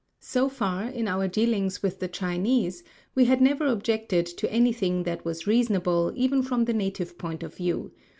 So far, in our dealings with the Chinese, we had never objected to anything that was reasonable even from the native point of view.